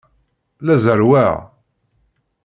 La zerrweɣ.